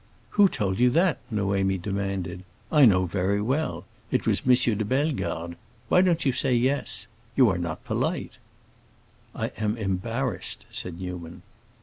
"Who told you that?" Noémie demanded. "I know very well. It was M. de Bellegarde. Why don't you say yes? You are not polite." "I am embarrassed," said Newman.